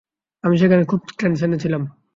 আমি সেখানে খুব টেনশনে ছিলাম!